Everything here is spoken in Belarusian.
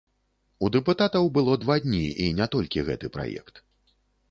У дэпутатаў было два дні і не толькі гэты праект.